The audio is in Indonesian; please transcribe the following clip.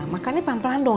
makannya pelan pelan dong